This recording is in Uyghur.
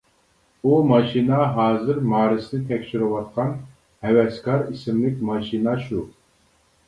ئۇ ماشىنا ھازىر مارسنى تەكشۈرۈۋاتقان «ھەۋەسكار» ئىسىملىك ماشىنا شۇ.